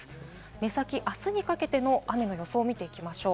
目先、あすにかけての雨の予想を見ていきましょう。